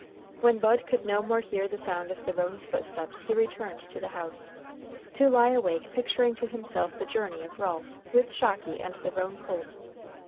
When Bud could no more hear the sound of the roan's footsteps he returned to the house, to lie awake picturing to himself the journey of Ralph with Shocky and the roan colt.